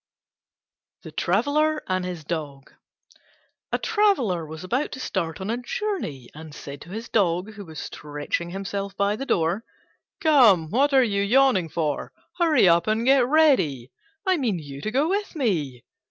THE TRAVELLER AND HIS DOG A Traveller was about to start on a journey, and said to his Dog, who was stretching himself by the door, "Come, what are you yawning for? Hurry up and get ready: I mean you to go with me."